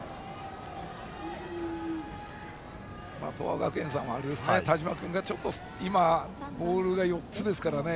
東亜学園さんは田嶋君がちょっと今、ボールが４つですからね。